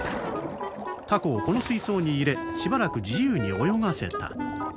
タコをこの水槽に入れしばらく自由に泳がせた。